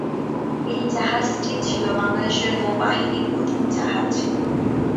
এই জাহাজটি ছিল বাংলাদেশ নৌবাহিনীর প্রথম জাহাজ।